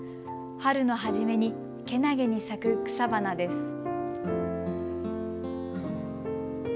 春の初めにけなげに咲く草花です。